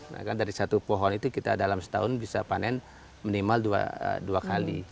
nah kan dari satu pohon itu kita dalam setahun bisa panen minimal dua kali